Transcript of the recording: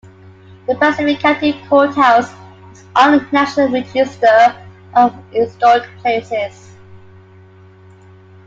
The Pacific County Courthouse is on the National Register of Historic Places.